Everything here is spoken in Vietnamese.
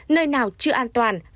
nơi nào chưa có môi trường an toàn